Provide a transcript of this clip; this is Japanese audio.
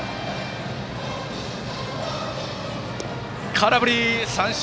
空振り三振！